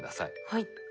はい。